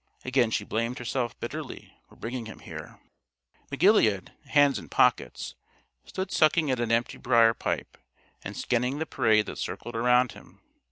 Again she blamed herself bitterly for bringing him here. McGilead, hands in pockets, stood sucking at an empty brier pipe, and scanning the parade that circled around him.